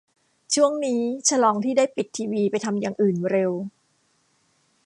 ช่วงนี้ฉลองที่ได้ปิดทีวีไปทำอย่างอื่นเร็ว